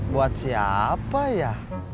buat siapa ya